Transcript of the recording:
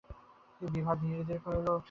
বিভা ধীরে ধীরে কহিল, আমার আর কী বলিবার আছে?